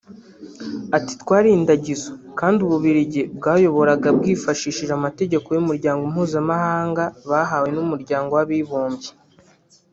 Ati“Twari indagizo kandi Ububiligi bwayoboraga bwifashishije amategeko y’umuryango mpuzamahanga bahawe n’umuryango w’abibumbye